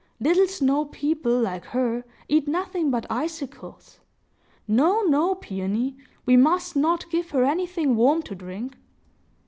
Little snow people, like her, eat nothing but icicles. No, no, Peony; we must not give her anything warm to drink!"